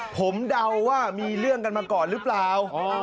ผมเดาว่ามีเรื่องกันมาก่อนหรือเปล่า